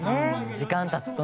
「時間経つとね」